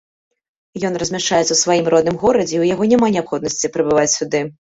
Ён размяшчаецца ў сваім родным горадзе і ў яго няма неабходнасці, прыбываць сюды.